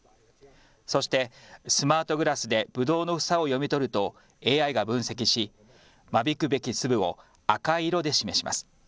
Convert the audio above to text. そしてスマートグラスでぶどうの房を読み取るとＡＩが分析し、間引くべき粒を赤い色で示します。